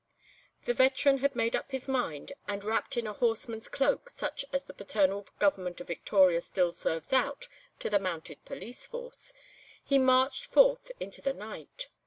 The veteran had made up his mind, and wrapped in a horseman's cloak such as the paternal Government of Victoria still serves out to the Mounted Police Force, he marched forth into the night.